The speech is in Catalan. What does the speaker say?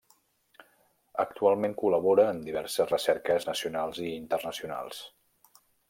Actualment col·labora en diverses recerques nacionals i internacionals.